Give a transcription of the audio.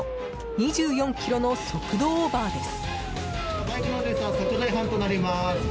２４キロの速度オーバーです。